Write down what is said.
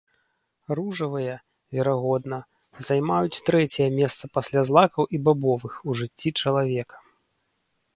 Ружавыя, верагодна, займаюць трэцяе месца, пасля злакаў і бабовых, у жыцці чалавека.